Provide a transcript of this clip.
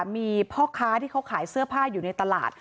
มีพ่อค้าที่เขาขายเสื้อผ้าอยู่ในตลาด